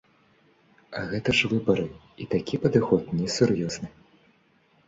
А гэта ж выбары, і такі падыход несур'ёзны.